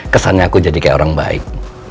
kesannya aku jadi kayak orang baik